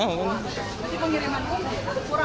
tapi pengiriman umum kurang